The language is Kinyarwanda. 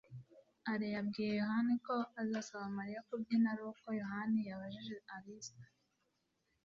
alain yabwiye yohana ko azasaba mariya kubyina ari uko yohana yabajije alice